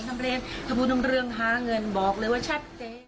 ทำเรททบูทรภาพเรื่องหาเงินบอกเลยว่าชัดเจน